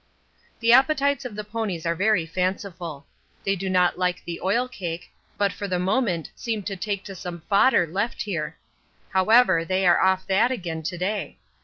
The appetites of the ponies are very fanciful. They do not like the oil cake, but for the moment seem to take to some fodder left here. However, they are off that again to day.